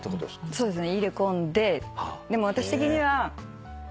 そうですね。